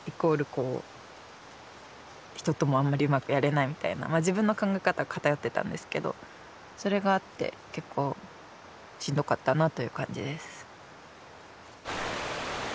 こう人ともあんまりうまくやれないみたいなまあ自分の考え方が偏ってたんですけどそれがあって結構しんどかったなという感じです。